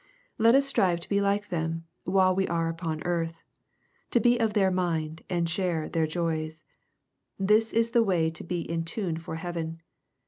Let us strive to be like them, while we are upon earth, — to be of their mind^ and to share their joys. This is the way to be in tune for heaven.